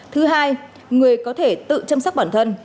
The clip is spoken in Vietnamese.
thứ hai người có thể tự chăm sóc bản thân